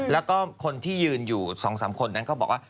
แล้วก็คนที่ยืนอยู่๒๓คนนั้นก็บอกว่า